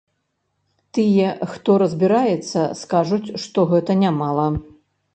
Тыя, хто разбіраецца, скажуць, што гэта нямала.